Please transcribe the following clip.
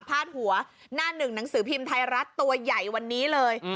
หัวหน้าหนึ่งหนังสือพิมพ์ไทยรัฐตัวใหญ่วันนี้เลย